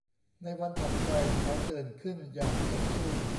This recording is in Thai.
ในวันถัดไปเขาตื่นขึ้นอย่างสดชื่น